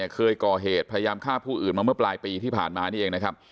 เคยก่อเหตุพยายามฆ่าผู้อื่นมาเมื่อปลายปีที่ผ่านมานี่เองนะครับ